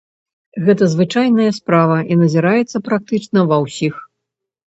Гэта звычайная справа, і назіраецца практычна ва ўсіх.